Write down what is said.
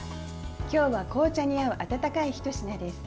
今日は紅茶に合う温かいひと品です。